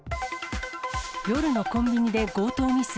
夜のコンビニで強盗未遂。